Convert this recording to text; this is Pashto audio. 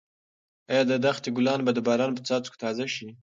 ایا د دښتې ګلان به د باران په څاڅکو تازه شي؟